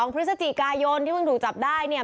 พฤศจิกายนที่เพิ่งถูกจับได้เนี่ย